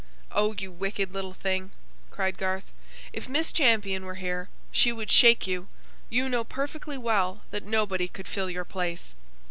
"Oh you wicked little thing!" cried Garth. "If Miss Champion were here, she would shake you! You, know perfectly well that nobody could fill your place!"